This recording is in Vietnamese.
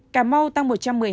cà mau tăng một trăm một mươi tám